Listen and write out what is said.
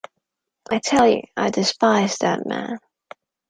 I tell you I despise that man.